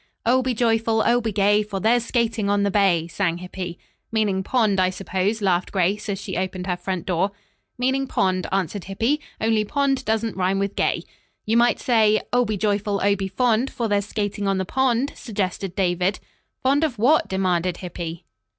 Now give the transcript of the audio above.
"'Oh, be joyful, oh, be gay, For there's skating on the bay,'" sang Hippy. "Meaning pond, I suppose," laughed Grace, as she opened her front door. "Meaning pond?" answered Hippy, "only pond doesn't rhyme with gay." "You might say, "'Oh, be joyful, oh, be fond, For there's skating on the pond,'" suggested David. "Fond of what?" demanded Hippy.